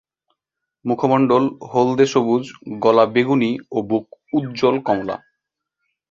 মুখমণ্ডল হলদে-সবুজ, গলা বেগুনি ও বুক উজ্জ্বল কমলা।